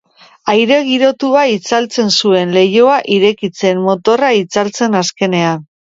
Aire girotua itzaltzen zuen, leihoa irekitzen, motorra itzaltzen azkenean.